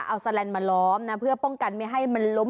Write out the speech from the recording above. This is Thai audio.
เอาแลนด์มาล้อมนะเพื่อป้องกันไม่ให้มันล้ม